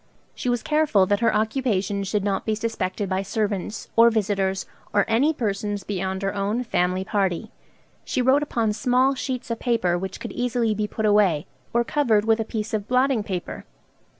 She was careful that her occupation should not be suspected by servants, or visitors, or any persons beyond her own family party. She wrote upon small sheets of paper which could easily be put away, or covered with a piece of blotting paper.